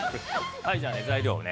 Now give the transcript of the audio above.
◆はい、じゃあ材料をね